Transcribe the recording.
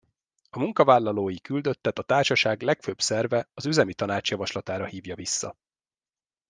A munkavállalói küldöttet a társaság legfőbb szerve az üzemi tanács javaslatára hívja vissza.